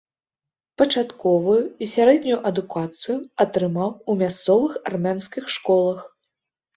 Пачатковую і сярэднюю адукацыю атрымаў у мясцовых армянскіх школах.